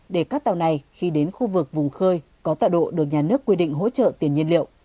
để các tàu này khi đến khu vực vùng khơi có tạo độ được nhà nước quy định hỗ trợ tiền nhiên liệu